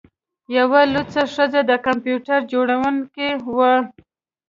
یوه لوڅه ښځه د کمپیوټر جوړونکي وویل